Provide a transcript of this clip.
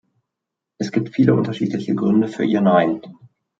Es gibt viele unterschiedliche Gründe für ihr Nein.